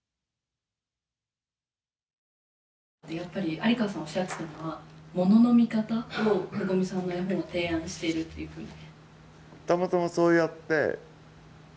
有川さんおっしゃってたのは“ものの見方”を五味さんの絵本は提案しているっていうふうに。